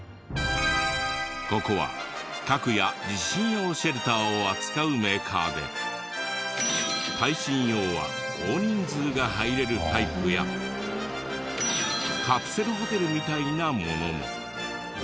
ここは核や地震用シェルターを扱うメーカーで耐震用は大人数が入れるタイプやカプセルホテルみたいなものも。